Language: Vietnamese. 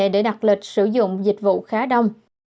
để đặt lịch sử dụng dịch vụ khá đông